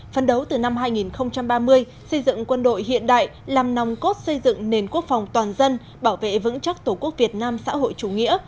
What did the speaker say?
phân đấu từ năm hai nghìn ba mươi xây dựng quân đội hiện đại làm nòng cốt xây dựng nền quốc phòng toàn dân bảo vệ vững chắc tổ quốc việt nam xã hội chủ nghĩa